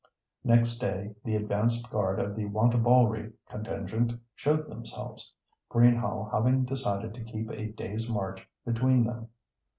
Next day the advanced guard of the Wantabalree contingent showed themselves—Greenhaugh having decided to keep a day's march between them.